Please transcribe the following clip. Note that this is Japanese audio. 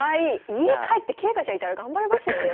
家帰って桂香ちゃんいたら頑張れますよね。